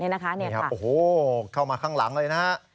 โอ้โหเข้ามาข้างหลังเลยนะฮะ